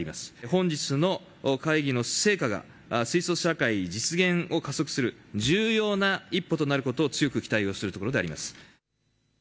本日の会議の成果が水素社会実現を加速する重要な一歩となることを強く期待をするところであります。